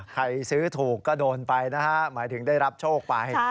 ใครซื้อถูกก็โดนไปนะฮะหมายถึงได้รับโชคไป